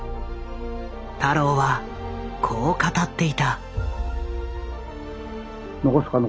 太郎はこう語っていた。